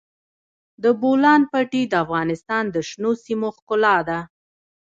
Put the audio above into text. د بولان پټي د افغانستان د شنو سیمو ښکلا ده.